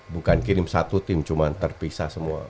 bukan kirim satu tim cuma terpisah semua